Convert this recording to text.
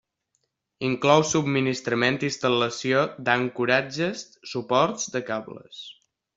Inclou subministrament i instal·lació d'ancoratges, suports de cables.